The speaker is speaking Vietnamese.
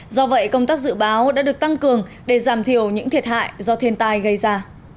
do vậy công tác dự báo đã được tăng cường để giảm thiểu những thiệt hại do thiên tai gây ra